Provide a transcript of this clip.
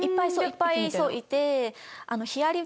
いっぱいいて。